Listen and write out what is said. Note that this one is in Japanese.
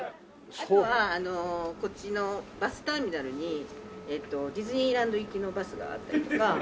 あとはこっちのバスターミナルにディズニーランド行きのバスがあったりとか。